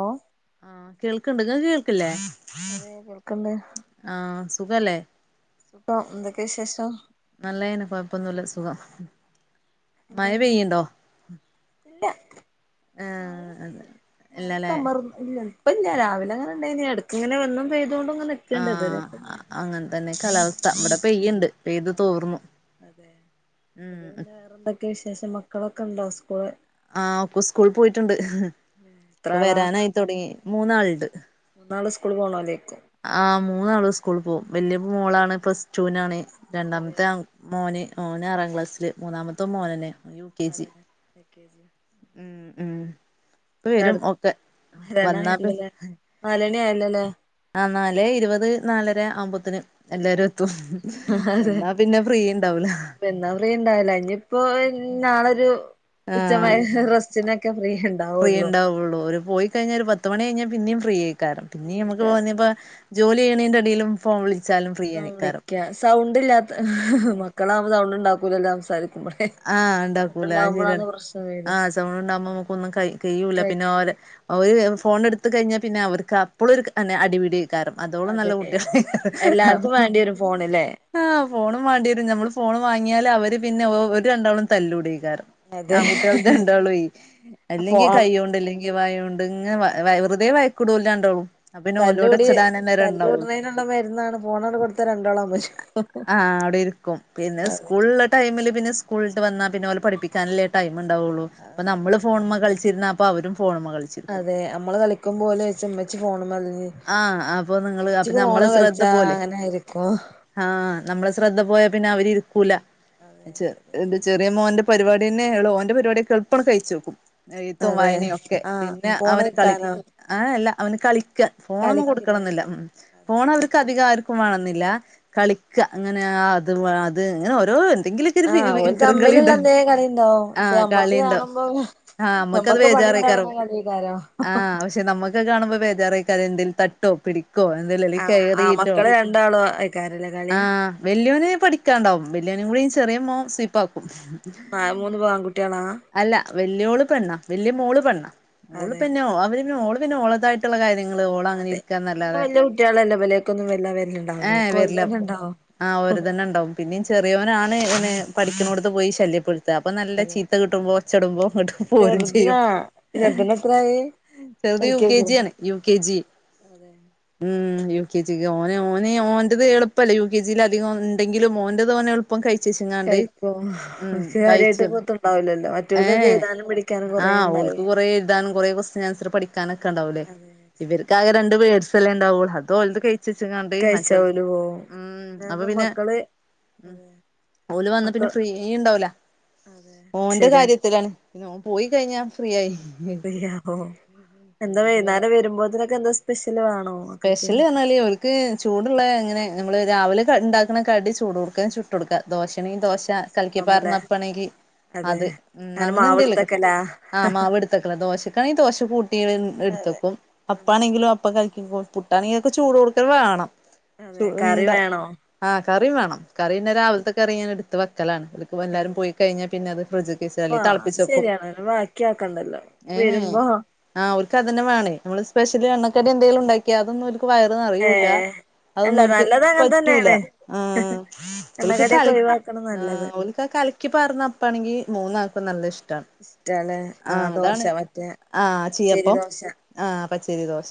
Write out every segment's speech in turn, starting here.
ഓഹ് ആഹ് കേൾക്ക്ണ്ട് ഇങ്ങക്ക് കേൾക്കില്ലേ? അതെ കേൾക്ക്ണ്ട് ആഹ് സുഖല്ലേ? സുഖം എന്തൊക്കെ വിശേഷം? നല്ലതന്നെ കൊഴപ്പൊന്നുല്ല സുഖം. എന്താ മഴ പിന്നെ പെയ്യുണ്ടോ? ഇല്ല ഏഹ് മായയൊന്നും അതെ ഇല്ല ഇല്ലല്ലേ മയയൊക്കെയുണ്ടാർ ഇല്ല ഇപ്പല്ല രാവിലെ അങ്ങനെണ്ടായ്ന്ന് ഇടക്ക്ങ്ങനെ വന്നും പെയ്തോണ്ട്ങ്ങ [unintelligible] ആഹ് അങ്ങനെ തന്നെ കാലാവസ്ഥ ഇവിടെ പെയ്യ്ണ്ട് പെയ്ത് തോർന്നു ഉം പിന്നെ വേറെന്തൊക്കെ വിശേഷം മക്കളൊക്കെ ഉണ്ടൊ? സ്കൂള് ആഹ് സ്കൂള് പോയിട്ടുണ്ട് എത്ര ആളാ വരാനായി തൊടങ്ങി മൂന്നാളുണ്ട്. മൂന്നാള് സ്കൂള് പോണേലേയ്ക്കും? ആഹ്. മൂന്നാള് സ്കൂള് പോകും. വല്യ മോളാണ് പ്ലസ് ടൂവിനാണ് അതെ രണ്ടാമത്തെ ആ മോന് മോന്ആറാം ക്ലാസ്സില് മൂന്നാമത്തും മോനന്നേ ഉം അതെന്നെ എൽ കെ ജി. ഉം ഇപ്പ വരും കട് ഒക്കെ വന്നാ പി വരാനായല്ലല്ലേ നാലണി ആയല്ലലേ. ആഹ് നാലേഇരുപത് നാലര ആവ്മ്പോത്തിന് എല്ലാരും എത്തും. വന്നാ പിന്നെ ഫ്രീ ഉണ്ടാവൂല. ഹ്ഹ വന്നാഫ്രീണ്ടാവൂല ഇനിപ്പോ വൻ നാളൊരു ആഹ് ഉച്ചമയ റസ്റ്റിനൊക്കെ ഫ്രീ ഇണ്ടാവൊള്ളൂ. വുള്ളൂ ഒരു പോയി കഴിഞ്ഞാൽ ഒരു പത്ത് മണി കഴിഞ്ഞാ പിന്നും ഫ്രീ ആയ്ക്കാരംപിന്നീം നമുക്ക്പ്പോ ഫ്രീയായിക്കാരം ഇനിപ്പോ ജോലി ചെയ്യണീന്റെടീലും. ഫോൺ വിളിച്ചാലും ഫ്രീ ആണയ്ക്കാരം. സൗണ്ട്ല്ലാത്ത ഹ് ഹ് മക്കളാവുമ്പോ സൗണ്ട് ഉണ്ടാക്കൂലല്ലോ സംസാരിക്ക് ആഹ് ണ്ടാക്കൂലാ അയ് ശെര്യാണ്. പ്രശ്നം വര ആഹ് സൗണ്ട്ണ്ടാവുമ്പോ നമുക്കൊന്നും ക കഴ്യൂല്ല പിന്നെ കൈക്ക് ഓരേ ഓര് കേൾക്കും വേംഫോൺ എടു ത്ത കഴിഞ്ഞാ പിന്നെ അവർക്ക് അപ്പളും ഒരു കന്ന അടിപിടിയ് കാരം അതോളം നല്ല അതെ കുട്ടികള് എല്ലാർക്കും അപ്പം വേണ്ടി വരും ഫോണില്ലേ ആഹ് ഫോണും വാണ്ടിരും നമ്മള് ഫോണ് വാങ്ങിയാല് അവര് പിന്നെ ഓര് രണ്ടാളും തല്ലൂടയ്കാരം. അതെ ആൺകുട്വാൾത് രണ്ടാളൈ ഫോ അല്ലെങ്കി കയ്യോണ്ട് ല്ലെങ്കി വായോണ്ട് ഇങ്ങനെ. വെുതെവയക്ക്ടുംഓല് രണ്ടാളും അപ്പ പിന്നെ ഓലോട് തല്ലൂടി ഒച്ചടാനന്നേരം ഉണ്ടാവുള്ളൂ തല്ലൂട്ന്നേനുള്ള മരുന്നാണ് ഫോണണ്ട് കൊടുത്ത രണ്ടാളം അമരും. ആഹ് അവ്ടിര്ക്കും പിന്നെ സ്കൂൾള്ള ടൈമ്ൽ പിന്നെ സ്കൂള്ട്ട് വന്നാ പിന്നെ ഓലെ പഠ്പ്പിക്കാനല്ലേ ടൈമ്ണ്ടാവൊള്ളൂ അപ്പ നമ്മള് ഫോൺമ്മക്കൾച്ചിര്ന്നാ പ്പവരും ഫോൺമ്മെക്കൾച്ചി അതെ അമ്മള് കളി ക്കുമ്പോലൊയ്ച്ചു മ്മച്ചി ഫോൺമ്മല്ലേന്യോ ആഹ് അപ്പൊ നിങ്ങള് അപ്പൊ നമ്മളെ ശ്രദ്ധ പോവല്ലെ അങ്ങനെ ആയിരിക്കും ആഹ് നമ്മളെ ശ്രദ്ധപോയാ പിന്നെ അവരിര്ക്കൂല അതെ ചെ ശരിയാണ് റ്യേ മോന്റെ പരുവാട്യെന്ന്യേളു ഓന്റെ പരുവാട്യൊക്കെ എള്പ്പാണ്ട് കയ്ച്ചെക്കും എഴ്ത്തും അതെ വായനിം ഒക്കെ ആഹ് പിന്നെ ഫോണ് അവന് കളി കിട്ടാനോ ഏഹ് അല്ല അവന് കളിക്കാ ഫോണൊന്നും കളിക്കില്ലേ കൊട്ക്കലൊന്ന്ല്ല അതെ ഫോൺ അവർക്ക് തധികാർക്കും വാണംന്നില്ലാ കളിക്ക അങ്ങനെ അത് അത് അങ്ങനെ ഓരോ എന്തെങ്കിലും ആഹ് ഓല് തമ്മ്ല്ള്ള എന്തേം കളിണ്ടാവും പക്ഷേ ആഹ് നമ്മക്ക് കളിണ്ടാവും കാണുമ്പോ ആഹ് മ്മക്കത് നമ്മക്ക് പണി ഉണ്ടാക്കണ ബേജാറെയ്ക്കാരം കളിയേക്കാരം ആഹ് പക്ഷെ നമ്മക്കത് കാണുമ്പോ ബേജാറെയ്ക്കാരം എന്തേലും തട്ടോ അതെ പിടിക്കോ എന്തേലുല്ലേ ആഹ് ആഹ് കേയറീട്ടോ മക്കള് രണ്ടാളും ആയിക്കാരല്ലേ കളി ആഹ് ആഹ് വല്ല്യോന് പഠിക്കാണ്ടാവും വല്ല്യോനിം കൂടി ചെറ്യെ മോൻ സുയ്പ്പാക്കും മഴ്മൂന്ന് ബാങ്കുൽ ട്ട്യേളാ അല്ല വെല്ല്യോള് പെണ്ണാ വെല്ല്യെ മോള് പെണ്ണ മോള് അതെ പിന്നെ ഓൻ പിന്നെ ഓള് പിന്നെ ഓളെത് തായിട്ട്ള്ള കാര്യ അതെ പ്പൊ വല്യെ കുട്ട്യാളല്ലേ ഇവലേക്കൊന്നും വെല്ലാവെര്ല്ണ്ടാവൂല ഏഹ് വരില്ല ഒക്കോൽതെന്നെണ്ടാവും ആഹ് ഓര്തെന്നെണ്ടാവും പിന്നിം ചെറിയോനാണ് പഠിക്ക്ണോട്ത്ത് പോയി ശല്യപ്പെട് ത്ത അപ്പ നല്ല അതെ ചീത്ത കിട്ട്മ്പൊ ഒച്ചട്മ്പോ ങ്ങട്ട് പോരും ചെറുതിനാ ചെയ്യും ചെറുതിന് എത്രായി ചെറ്ത് എൽ യു കെ ജിയോ ജി ആണ് യു കെ ജി അതെ ഉം യു കെ ജീക്ക് ഓനേ ഓന് ഓന്റെത് എള്പ്പല്ലെ യു കെ ജീലധികം ഇണ്ടെങ്കിലും ഓന്റെത് ഓനെള് പ്പം കയ്ച്ചെച്ച്ങ്ങാണ്ട് കഴിക്കും ഉം അവർക്ക് കാര്യായിട്ട് കഴിച്ചു കുത്തുണ്ടാവില്ലല്ലോ ഏ മറ്റോൽക്കൊക്കെ ഹേ എഴുതാനും പിടിക്കാനും കൊറേ ആഹ് ഉണ്ടാവേ ഓൾക്ക് കൊറേ എഴ്താനും കൊറേ ക്വസ്റ്റ്യൻ ആൻസർ പഠിക്കാനൊക്കെണ്ടാവൂലേ അതെ ശരിയാ ഇവര്ക്കാകെ രണ്ട് വേഡ്സല്ലെണ്ടാവൊള്ളു അതോൽത് കെയ് ച്ചച്ച്ങ്ങാണ്ട് കഴിച്ചാ മറ്റൊൽത് ഓല് പോവും ഉം പിന്നെപ്പൊ അപ്പപ്പിന്നെ മക്കള് അതെ ഓല് വന്ന പിന്നെ മക്കൾ ഫ്രീയിണ്ടാവൂല അതെ ഓന്റെ ശരിയാണ് കാര്യത്തിലാണ് പിന്നെ ഓൻ പോയിക്കയ്ഞ്ഞാ ഫ്രീ ആയി [unintelligible] എന്താ വൈന്നാരം വെരുമ്പോത്ത്നൊക്കെ എന്താ സ്പെഷ്യല് വാണ സ്പെഷ്യല്റിഞ്ഞാല് ഓൽ ക്ക് ചൂട്ള്ള എങ്ങനെ നമ്മള് രാവിലെ ക ഇണ്ടാക്ക്ണ കടി ചൂടോട്ക്കെനെ ചുട്ടൊട്ക്ക ദോഷേണെങ്കി ദോശ ദോശക്കാവുമ്പല്ലേ കൽക്കിപ്പാർന്ന അപ്പാണെങ്കി അതെ അത് ഉം കാരണം അങ്ങനെന്തേലൊക്കെ മാവ്ട്ത്തക്കലാ ആഹ് മാവ്ട്ത്തെക്കലാ ദോശക്കാണെങ്കി ദോശ കൂട്ടീലെ അതെ എട്ത്തെക്കും ആഹ് അപ്പാണെങ്കിലും അപ്പ കയിക്കും പുട് പുട്ടാണെങ്കിലൊക്കെ ചൂടോട്ക്കെനെ വേണം അതെ [unintelligible] കറി ഇണ്ടാ വേണോ ആ കറിം വേണം കറിപിന്നെ രാവ്ൽത്തെ കറി ഞാൻ ഇട്ത്ത് വെക്കലാണ് ഇപ്പൊ എല്ലാരും അതെ പോയിക്കഴിഞ്ഞാ പിന്നെ അത് ഫ്രിഡ്ജ്ക്കെച്ചാലേ വാ അത് തൾപ്പിച്ചെക്കും ശരിയാണ് ബാക്കി ആക്കണ്ടല്ലോ ഏഏഹ് വരുമ്പോ ആ ഓൽക്കതന്നെ വാണേയ് ആവശ്യണ്ടാവും നമ്മള് സ്പെഷ്യല് എണ്ണക്കടി എന്തേലുണ്ടാക്ക്യാ അതൊന്ന്വോൽക്ക് വയറ് ഏ നെറയുംല്ല അല്ല അതൊന്നോൽക്ക് നല്ലത് അങ്ങനെ പറ്റൂല്ല തന്നെയാണ് ആഹ് ഓൽക്ക് കല എണ്ണക്കടിയൊക്കെ ഒഴിവാക്കണ നല്ലത് ആഹ് ഓൽ ക കൽക്കിപ്പാർന്ന അപ്പാണെങ്കി മൂന്നാൾക്കും നല്ല ഇഷ് ട്ടാ ഇഷ്ടാല്ലേ ആ ആഹ് ദോശ അതാണ് മറ്റേ ആഹ് പച്ചരി ചീയ്യപ്പം ദോശ ആഹ് അതെ പച്ചരിദോശ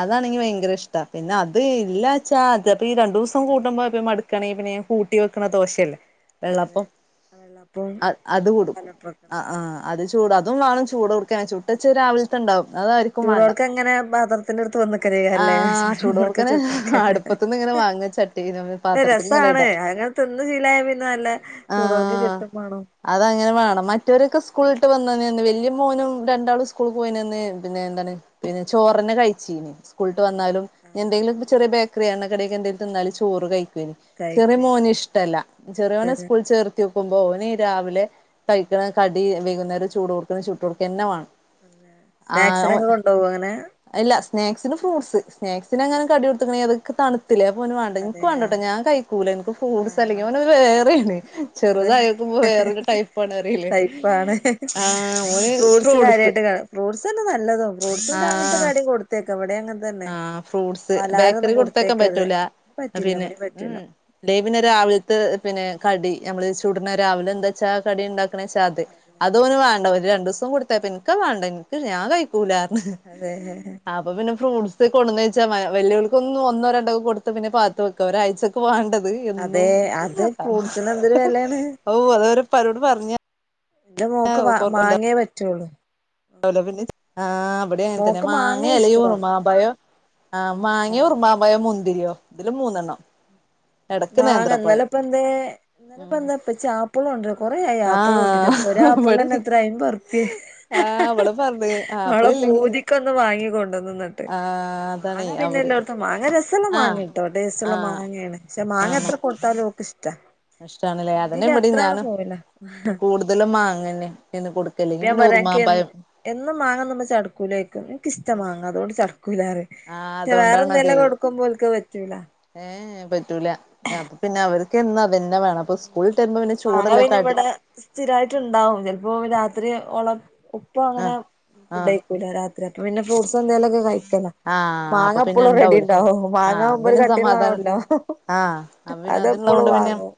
അതാണെങ്കി വയങ്കര ഇഷ്ടാ പിന്നെ അത് ഇല്ലാച്ചാ അത് ഇപ്പീ രണ്ടൂസം കൂടുമ്പൊക്കെ മട് ക്കാണെങ്കി പിന്നെ ഞാൻ കൂട്ടി വെക്ക്ണ ദോശയല്ലേ അതെ വെള്ളപ്പം വെള്ളപ്പവും അദ് അത് കൊട്ക്കും പാലപ്പവും ഒക്കെ ആ ഉണ്ടാവും ആഹ് അത് ചൂടാ അതും വാണം ചൂടോട്ക്കനെ ചുട്ടച്ചത് രാവ്ൽത്തെണ്ടാവും അതാര് ചൂടോട്ക്കെങ്ങനേ മ്പാത്ര ത്ത്ന്റെട്ത്ത് ആ വന്ന്ക്കലെയ്ക്കാരംലേ ചൂട് ചൂടോട്ക്കെ കൊടുക്കനെ ചുട്ടൊട്ക്ക ഹ ഹ അടുപ്പത്തുന്ന് ഇങ്ങനെ ഹ വാങ്ങ ചട്ടീ ഇത് പാത്രത്തിക്ക് ഇങ്ങനെ രസാണ് ഇടാ അങ്ങനെ തിന്ന് ശീലായ് പിന്നെ നല്ല ചൂടോട്ക്കെ കിട്ടും മാണം അതഅങ്ങനെവാണം മറ്റൊരൊക്കെ സ്കൂളിട്ട് വന്ന [unintelligible] വല്യ മോനും രണ്ടാളും സ്കൂളി പോയിന്നന്ന് പിന്നെ എന്താണ് പിന്നെ ചോറന്നെ കഴി ച്ചീന്ന് സ്കൂൾ വിട്ട് അതെ വന്നാലും ആ എന്തേലും ചെറിയ ബേക്കറിയോ എണ്ണക്കടിയോ എന്തേലും തിന്നാലും ചോറ് കഴ- ചെറ്യ കഴിക്കേം മോന് ഇഷ്ടല്ല ചെറിയോനെ സ്കൂൾ ചേർ- ത്തി വെക്കുമ്പോൾ ഓന് രാവിലെ കഴിക്കണ കടി വൈകുന്നേരം ചൂടോട്ക്കനെ ചുട്ടൊടുക്കന്നെ വാണം സ്നാക്സിനൊക്കെ കൊണ്ടോ വോ അങ്ങനെ അല്ല സ്നാക്സിന് ഫ്രൂട്സ് സ്നാക്സിനെങ്ങാനും കടി കൊടുത്ത്ക്ക്ണെങ്കി അതൊക്കെ തണു- ത്തിലെ അപ്പൊ ഓന് വാണ്ട അതെ ഇൻക്ക് ആ വാണ്ടട്ടോ ഞാൻ കഴിക്കൂല ഇൻക്ക് ആ ഫ്രൂട്സ് ആ അല്ലെങ്കിൽ ഓന് ഒരുവേറേണ് അതെ ചെറുതായോക്കുമ്പോ വേറൊരു ടൈപ്പാണ് അറിലേ ടൈപ്പാണ് ആഹ് ഓന് ഫ്രൂട്സ് ഫ്രൂട്സെന്നെ നല്ലതും ഫ്രൂട്സും രാവിൽത്തെകടിം കൊടുത്തയ്ക്കാം ഇവിടെ അങ്ങൻത്ത- ആഹ് ഫ്രൂട്ട്സ് ബേക്കറി കൊടുത്തയക്കാൻ കൊടുത്തേക്കരുത് പറ്റൂല പറ്റില്ല പിന്നെ ഇവിടേം പറ്റൂല ഉം- ഇല്ലേ പിന്നെ രാവില്ത്തെ പിന്നെ കടി നമ്മള് ചുട്ണ രാവിലെ എന്താ ച്ചാ ആ കടി ഉണ്ടാ- ക്ക്ണേച്ച അത് അതെ അതോന് വാണ്ട ഒരു രണ്ടു ദിവസം കൊടുത്തയക്കും എനിക്കത് വേണ്ട എനിക്ക് ഞാൻ കഴിക്കൂലാർഞ്ഞ് അതെ അപ്പൊ പിന്നെ ഫ്രൂട്ട്സ് കൊട്ന്ന് വച്ചാ വ വല്ല്യോല്ക്കൊന്നും ഒന്നോ രണ്ടോക്കെ കൊടുത്ത് പിന്നെ പാത്ത് വെ ക്ക ഒരാഴ്ചക്ക് വാണ്ടത് എന്നും അതെ അത് ഹ ഹ ഫ്രൂട്ട്സിന് എന്തൊരു വെലയാണ് ഓ അത് അവരെപ്പാരോട് പറഞ്ഞ്- ന്റെ മോക്ക് മ മാങ്ങേ പറ്റുള്ളു ഉണ്ടാവല്ലോ പിന്നെം ആ ഇവിടെ അങ്ങനെ തന്നെ മാങ്ങേ മാങ്ങ അല്ലെങ്കി ഇഷ്ടം ഉറുമാമ്പഴോ ആഹ് മാങ്ങേ ഉർമാമ്പഴോ മുന്തിര്യോ ഇതില് മൂന്നെണ്ണം എടക്ക് മാങ്ങ നേന്ത്രപ്പഴം ഇന്നലെപ്പെന്തേ ഇന്ന് ഉം ഇപ്പൊന്താ ഇപ്പച്ചി ആപ്പിള് കൊണ്ടരോ കൊറേ ആയി ആപ്പിള് കിട്ടീട്ട് അപ്പൊ ഒര് ആഹ് ആപ്പിള് തന്നെ ഇവടിം എത്ര ആയി അയ്പതു ഉർപ്യ ആഹ് ഇവള് പറഞ് ആപ്പിളില്ലെങ്കി- ഇക്ക് ഒന്ന് വാങ്ങി കൊണ്ടന്ന് ന്നർഞ്ഞ് ആഹ് അതാണേ മാങ്ങ പിന്നെ അവര് എല്ലോട്ത്തും മാങ്ങ രസള്ള ആഹ് മാങ്ങേട്ടോ ടേസ്റ്റുള്ള ആഹ് മാങ്ങേണ്. മാങ്ങ എത്ര കൊട്ത്താലും ഓക്ക് ഇഷ്ട ഇഷ്ടാണല്ലേ അതെന്നെ ഇവിടിം ഞാനും കൂടുതലും മാങ്ങന്നെ എന്നും കൊട് അപ്പ ഇല്ലെങ്കിൽ ഞാൻ പിന്നെ പറയാ അൻക്ക് എൻ ഉർമ്മാമ്പഴം എന്നും മാങ്ങ തിന്നുമ്പോ ചടക്കൂലേക്കും എനിക്ക് ഇഷ്ടമ മാങ്ങ അതുകൊണ്ട് ആഹ് ചടക്കൂലാറയും വേറെന്തെങ്കിലും കൊടുക്കുമ്പോ ഓല്ക്കത് പറ്റൂല ഏ പറ്റൂല അപ്പ പിന്നെ അവർക്ക് എന്നാ അത് തന്നെ വേണം അപ്പൊ സ്കൂളിട്ട് വരുമ്പോ പിന്നെ ചൂട് മാങ്ങ യുള്ള പിന്നെ കടി ഇവിടെ സ്ഥിരായിട്ട് ഇണ്ടാവും ചെലപ്പോൾ രാത്രി ഓളെ - ഇപ്പ അങ്ങനെ ആഹ് ഫുഡ് ആഹ് കഴിക്കൂല്ല രാത്രി അപ്പ പിന്നെ ഫ്രൂട്ട്സ് എന്തൊലുംക്കെ കഴിക്കല ആഹ് അപ്പൊ പിന്നെ മാങ്ങപ്പൊളും റെഡി- ഉണ്ടാവൂലേ ഓഹ് ആഹ് അപ്പൊ മാങ്ങാകുമ്പോ ഒരു പിന്നെ സമാധാനം കട്ടിയുള്ളണണ്ടാവല്ലോ ആഹ് അപ്പൊ പിന്നെ അത്ള്ളത് അതെപ്പോളും കൊണ്ട് പിന്നെ വാങ്ങും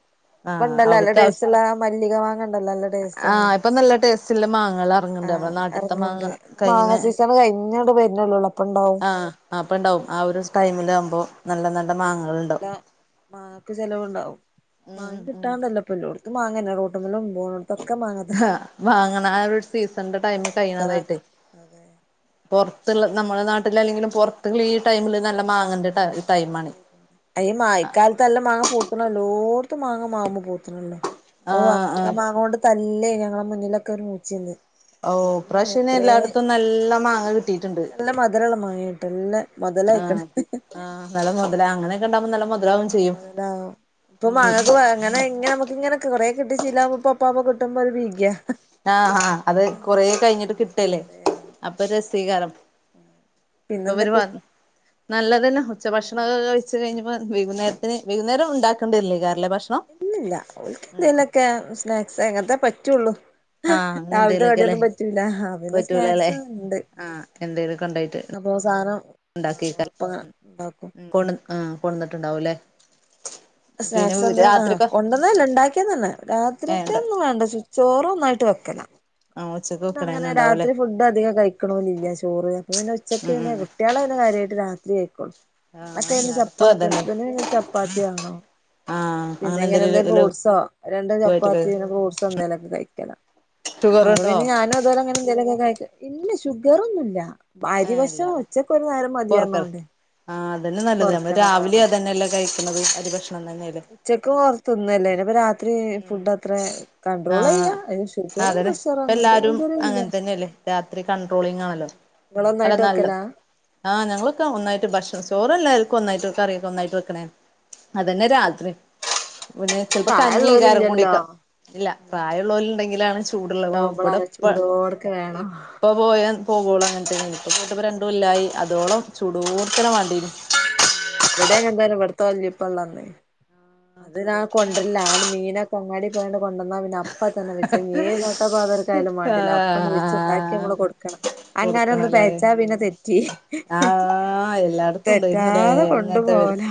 ആഹ് ഇപ്പൊണ്ടല്ലോ നല്ല അവർക്ക് ആവശ്യ ടെസ്റ്റ്‌യുള്ള മല്ലിക മാങ്ങണ്ടല്ലോ നല്ല ടേസ്റ്റ്‌ ആണ് ആഹ് ഇപ്പൊ നല്ല ടേസ്റ്റുള്ള മാങ്ങകൾ ഇറങ്ങണ്ട് നമ്മളെ ആഹ് നാട്ടിത്തെ മാങ്ങ എറങ്ങ്ണ്ട് കഴിഞ്ഞ മാങ്ങാ സീസ- കഴിഞ്ഞോണ്ട് വരണല്ലോ അപ്പം ഉണ്ടാവും ആ അപ്പം ഉണ്ടാവും ആ ഒരു ടൈമിലാകുമ്പോൾ നല്ല നല്ല മാങ്ങകൾ ഉണ്ടാവും നല്ല മാങ്ങക്ക് ചെലവുണ്ടാവും മാങ്ങ ഉം ഉം കിട്ടാണ്ടല്ലോ ഇപ്പ എല്ലാടത്തും മാങ്ങ തന്നെ അല്ലെ റോടുമേലും പോണടത്തും പക്ക മാ ആഹ് വാങ്ങണ ആ ഒരു സീസണന്റെ ടൈം സീസണാണ് കഴിയണതായിട്ട് അതെ പൊറത്തുള്ള നമ്മുടെ നാട്ടിൽ അല്ലെങ്കിലും പൊറത്തുള്ള ഈ ടൈമില് നല്ല മാങ്ങാ - [unintelligible] [unintelligible] അയ്യ മായക്കാലത്ത് നല്ല മാങ്ങ പൂത്തണല്ലോ എല്ലാടത്തും മാങ്ങ മാവുമ്പോ പൂത്തണല്ലോ ഓഹ് ആഹ് അന്നൊക്കെ ആഹ് മാങ്ങ കൊണ്ട് തല്ലി ഞങ്ങളെ മുന്നിലൊക്കെ ഒരു മൂച്ചിണ്ട്- ഓഹ് ഇപ്രാവശ്യം എല്ലായിടത്തും നല്ല മാങ്ങ കിട്ടിയിട്ടുണ്ട്. നല്ല മധുരമുള്ള മാങ്ങയിൽ തന്നെ മോ തലാക്ക്ണ് ആഹ് ആഹ് നല്ല മൊതലാ അങ്ങനൊക്കെണ്ടാവുമ്പൊ നല്ല മൊതലാവും ചെ മയണ്ടാവും ഇപ്പൊ മാങ്ങക്ക് വ ഇങ്ങനെ ഇങ്ങനെ നമുക്ക്ങ്ങനെ കൊറേ കിട്ടി ശീലാവുമ്പം ഇപ്പ ഇപ്പൊ കിട്ടുമ്പൊരു ഭീതിയ ആഹ് ആഹ് അത് കൊറേ കയ്ഞ്ഞിട്ട് കിട്ടല്ലേ അതെ അപ്പൊരു രസയായി കാണും ഇപ്പ ഇവര് പിന്നെന്തൊക്കെ വ നല്ലത് തന്നെ ഉച്ചഭക്ഷണൊക്കെ കഴിച്ച് കഴിഞ്ഞപ്പോ വൈകുന്നേരത്തിന് വൈകുന്നേരം ഉണ്ടാക്കെണ്ടി വരുകില്ലേ ഭക്ഷ ഇല്ലയില്ല ഓൽക്ക് എന്തേലൊക്കെ സ്നാക്സ് അങ്ങത്തെ പറ്റൊള്ളൂ ആഹ് അങ്ങനെ രാവിലത്തെ എന്തേലുമൊക്കെല്ലേ കടിയൊന്നും പറ്റൂല്ല അവിലും പറ്റൂലല്ലേ സ്നാക്സുംണ്ട് ആഹ് എന്തേലുമൊക്കെ ഉണ്ടായിട്ട് അപ്പൊ സാധനം ആഹ് ഉണ്ടാക്കിക്കാ ഓള് അപ്പം ഇണ്ടാക്കും കൊണ് ആഹ് കൊണ്ടുവന്നിട്ട് ഇണ്ടാവുയില്ലേ സ്നാക്സ് എന്താ ആഹ് കൊണ്ടുവന്നയല്ല ഇണ്ടാക്കിയതാണ് ഏഹ് ഉണ്ട് രാത്രിക്കെന്നും വേണ്ട ചു ചോറ് ഒന്നായിട്ട് വെക്കലാ ആഹ് ഉച്ചക്ക്- പിന്നെ അങ്ങനെ വെക്കണന്നെ ഉണ്ടാവൂല്ലേ രാത്രി ഫുഡ് അധികം കഴിക്കണോനില്ല ചോറ് അപ്പൊ പിന്നെ ഉച്ചക്ക് ഉം പിന്നെ ഉം കുട്ട്യോള് പിന്നെ കാര്യായിട്ട് രാ പത്തിരി കയയികൊള്ളു ആഹ് മറ്റേയെന്നും എല്ലായിടത്തും ചപ്പാത്തിയാ അതന്നെ ഹസ്ബൻഡിന് പിന്നെ ചപ്പാത്തി വേണം ആഹ് പിന്നെ അങ്ങനെ എന്തെലും ഇങ്ങനെന്തെ ഫ്രൂട്ട്സോ രണ്ട് ലഘുവായിട്ടൊക്കെ ചപ്പാത്തി പിന്നെ ഫ്രൂട്സോ എന്തെങ്കിലും ഒക്കെ കഴിക്കലാ ഷുഗറ് ഉണ്ടോ ഞാനും ഇത്‌പോലെ ഇങ്ങനെ എന്തേലൊക്കെ കഴിക്കും ഇല്ല ഷുഗറൊന്നുമില്ല അരി ഏഹ് ഇല്ല ഭക്ഷണം ഉച്ചക്ക് ഒരു നേരം മതീ പൊറക്ക പറഞ്ഞോണ്ട് ആഹ് അതന്നെ നല്ലത് നമ്മള് രാവിലേം അതെന്നല്ലേ കഴിക്ക്ണത് അരി ഭക്ഷണം തന്നയല്ലേ ഉച്ചക്കും തിന്നല്ലേ ഇനി ഇപ്പം രാ അത് ഫുഡ്‌ത്രേ കൺട്രോള് ആഹ് ചെയ്യാം അതിന് ഷുഗറും അതന്നെ ഇപ്പ പ്രഷറൊന്നും എല്ലാരും അങ്ങനെ ഇതുവരെയില്ല തന്നെയല്ലേ രാത്രി കൺട്രോളിംങ്ങ്ണല്ലോ നിങ്ങള് ഒന്നായിട്ട് വെക്കലാ- ആഹ് ഞങ്ങളൊക്കെ ഒന്നായിട്ട് ഭക്ഷണം ചോറെല്ലാർക്കും ഒന്നായിട്ട് കറിയൊക്കെ ഒന്നായിട്ട് വെക്കണേ അത് തന്നെ രാത്രിം പിന്നെ ചെലപ്പൊ പ്രായള്ളോല് കഞ്ഞിയെല്ലാരും ഇല്ലല്ലോ കുടിക്ക ഇല്ല പ്രായള്ളോല് ഉണ്ടെങ്കിലാണ് ചൂട് ഉള്ളത് അപ്പോ ഇവിടെ ഉണ്ടാവുമ്പോളാണ് ചൂടോട്ക്കെ - വേണം ഇപ്പ പോയ പോവു ഓളം അങ്ങനത്തന്നേന് ഇപ്പ പോയിട്ട് ഇപ്പൊ രണ്ട് കൊല്ലായി അതോളം ചൂടോട്ക്കനെ വാണ്ടീനു ഇവിടേം അങ്ങതന്നെ ഇവുടുത്തെ വല്ലിയ ഉപ്പ ഉള്ള അന്ന് ആഹ് അതിനാ ചൂടോട്ക്കനെ കൊണ്ട് വര്ല്ല ആണ് മീനൊക്കെ അങ്ങാടി പോയാണ്ട് കൊണ്ടന്നാ പിന്നെ അ പ്പത്തന്നെ വെച്ച് ഇഞ്ഞേത് നട്ടപ്പാതിരക്കായാലും വാണ്ടീല അപ്പ അത് വെച്ച്ണ്ടാക്കി ആഹ് നമ്മള് കൊട്ക്കണം അങ്ങനൊന്ന് കൊടുക്കണല്ലേ പെയച്ചാ പിന്നെ തെറ്റി ആഹ് എല്ലായിടത്തും ഉണ്ടായിരുന്നുല്ലേ തെറ്റാതെ കൊണ്ട് അങ്ങനത്തെ വര് പോവല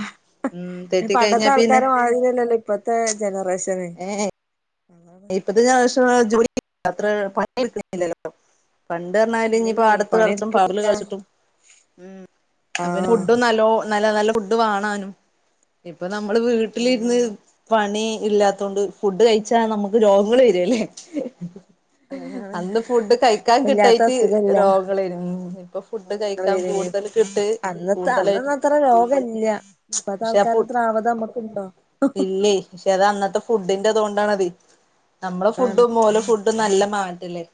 ഉം പിന്നെ തെറ്റി കഴിഞ്ഞാ പിന്നെ പണ്ടത്താൾക്കാരെ മാതിരിയല്ലല്ലോ ഇ ഇപ്പത്തെ ജനറേഷന് ഏഹ് അതാണ് ഇപ്പത്തെ ജനറേഷൻല്ള്ളോല് ജോലി അത്ര പണിട്ക്കണില്ലല്ലോ. പണ്ട് പറഞ്ഞാല് ഇനി ഇല്ലല്ലേ പാടത്ത് കളിച്ചിട്ടും വയർല് പണിയെടുക്കണില്ല കൾച്ച്ട്ടും ഉം അപ്പ പിന്നെ ആഹ് ഫുഡ്ഡും നല്ലോ നല്ല നല്ല ഫുഡ് വാണാനും ഇപ്പൊ നമ്മള് വീട്ട്ലിര്ന്ന് വേണേനും പണി ഇല്ലാത്തോണ്ട് ഫുഡ് കയിച്ചാ നമ്മക്ക് രോഗങ്ങള് വരല്ലേ അതാണ് അന്ന് ഫുഡ് കഴിക്കാൻ ഇല്ലാത്ത കിട്ടായിറ്റ് അസുഖല്ല രോഗങ്ങളേയ്‌നു ഇപ്പൊ ഫുഡ് രോഗങ്ങള് കഴിക്കാൻ വരേന് കൂട്തൽ കിട്ട് ഫുഡ് അന്നത്തെ കൂട്തലായിട്ട് അപ്പത്താൾക്കാരത്രാവത് നമ്മക്ക്ണ്ടോ? ഇല്ലയ് പക്ഷേ അത് ആന്നത്തെ ഫുഡിന്റത് കൊണ്ടാണതെയ് നമ്മളെ അതുകൊണ്ടാണ് ഫുഡും ഓലെ ഫുഡും നല്ല മാറ്റല്ലേ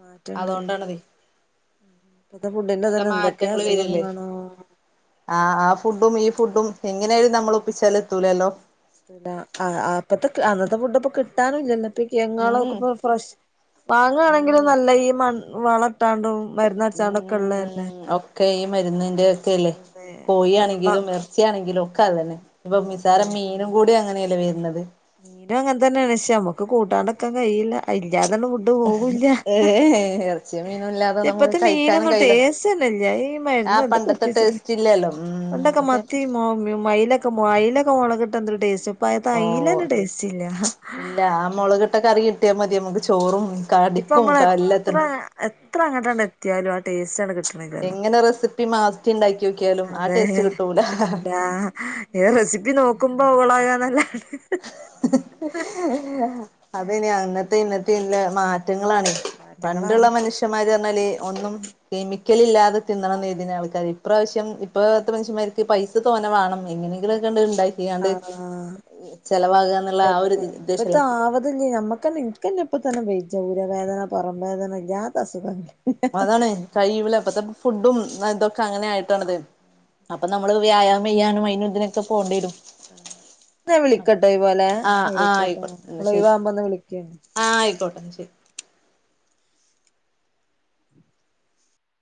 മാറ്റണ്ട് അതോണ്ടാണത് ഇപ്പത്തെ നല്ല ഫുഡിന്റതന്നെന്തൊക്കേ അസുഖങ്ങളാണോ ആഹ് ആഹ് ഫുഡും ഈ ഫുഡും എങ്ങനായാലും നമ്മളൊപ്പിച്ചാലെത്തൂലല്ലോ എത്തൂല ആഹ് അഹ് അപ്പത്തെ അന്നത്തെ ഫുഡ്പ്പ കിട്ടാനുംല്ലല്ലോ ട്ട് ഉം കെയങ്ങോളൊക്കെപ്പൊ ഫ്രഷ് ഉം വാങ്ങണെങ്കിലും നല്ല ഈ മൺ വള ട്ടാണ്ടും മര്ന്നട്ച്ചാണ്ടൊക്കെള്ളതല്ലെ കെ ഈ മരുന്നിൻ്റെ ക്കല്ലേ നമ്മ കോഴിയണെങ്കിലും ഇറച്ചിയാണെങ്കിലും ഒക്കെ അതന്നെ ഇപ്പൊ അതെ നിസാരം മീ- നും കൂടി അങ്ങനെയലെ വരുന്നത് മീനും ആങ്ങനെ തന്നെയാണ് പഷേ നമ്മുക്ക് കൂട്ടാണ്ടക്കൻ കഴയില്ല അതില്ലാതെ- പോവില്ല ഏ ഇറച്ചിയ മീനും ഇല്ലാതെ നമുക്ക് ഇപ്പത്തെ കഴിക്കാനും മീനൊന്നും കഴിയില്ല ടേസ്റ്റ് തന്നെ ഇല്ല ഈ ആ മരുന്ന് ഇത് ഒക്ക പണ്ടത്തെ കുത്തിവച്ചു ടേസ്റ്റ് ഇല്ലല്ലോ ഉം പണ്ടൊക്കെ ഓക്കെ മത്തി മൊ മൈല അയിലൊക്കെ മുളക കിട്ട എന്ത ഒരു ടേസ്റ്റ് ഇപ്പൊ തെ ഓ അയിലന്റ ഒരു ടേസ്റ്റ് ഇല്ല ഇല്ല ആഹ് മുളക്കിട്ട കറി കിട്ടിയാൽ മതി നമുക്ക് ചോറും ഇപ്പൊ കടിക്കും നമ്മള് എത്ര എല്ലാത്തിനും എത്ര അങ്ങോട്ടണ്ട് എത്തിയാലും ടേസ്റ്റ്ണ് കിട്ടന്നില്ലലോ എങ്ങനെ റെസിപ്പി മാറ്റി ഉണ്ടാക്കി നോക്കിയാലും ആ അതെ ടേസ്റ്റ് കിട്ടൂല കിട്ടുലാ ഏഹ് റെസിപ്പി നോക്കുമ്പോ അവളാകാനല്ലതെ അതനി അന്നത്തെ ഇന്നത്തെ ഇല്ല മാറ്റങ്ങളാണ് മാറ്റങ്ങളാണ് പണ്ടുള്ള മനുഷ്യന്മാര് പറഞ്ഞാല് ഒന്നും കെമിക്കലില്ലാതെ തിന്നണന്ന് അതെ കേരുതുന്ന ആള്ക്കാര്യന് ഈ പ്രാവശ്യം ഇപ്പത്തെ മനുഷ്യന്മാർക്ക് പൈസ തോനെ വേണം അതെ എങ്ങനെങ്കിലുക്കെ ഉണ്ടാക്ക്യാണ്ട് [unintelligible] ഉദ്ദേശല്ലേ ആവാതില്ല നമ്മുക്കന്നെ ഇൻക്കെന്നെ ഇപ്പോ തന്നെ വയിജ ഊര വേദന പുറം വേദന ഇല്ലാത്ത അസുഖങ്ങ- അത്താണ് കഴിയൂല ഇപ്പത്തെ ഫുഡും ഇതൊക്കെ അങ്ങനെ ആയിട്ടാണിത്. അപ്പൊ നമ്മള് വ്യായാമം ചെയ്യാനും അയിനും ഇതിനൊക്കെ പോകേണ്ടി വരും ആഹ് ഞാൻ അതെ വിളിക്കട്ടൊ ഈ പോലെ ആഹ് ആഹ് വിളിക്കട്ടൊ ആയിക്കോട്ടെ എന്നാ നിങ്ങള് ശരി ഒഴിവാകുമ്പോ ഒന്ന് വിളിക്ക് ആഹ് ആയിക്കോട്ടെ ശരി